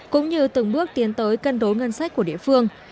cũng như từng bước tiến tới cân đối ngân sách của địa phương